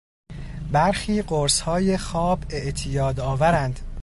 برخی قرصهای خواب اعتیاد آورند.